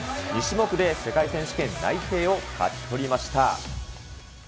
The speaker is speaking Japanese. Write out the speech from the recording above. ２種目で世界選手権内定を勝ち取りました。